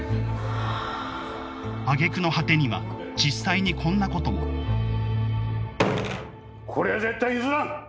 あげくの果てには実際にこんなこともこれは絶対に譲らん！